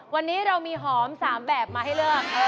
วันนี้เรามีหอม๓แบบมาให้เลือก